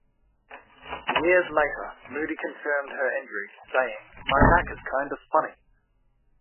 Years later, Moody confirmed her injury, saying, My back is kind of funny.